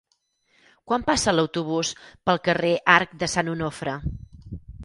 Quan passa l'autobús pel carrer Arc de Sant Onofre?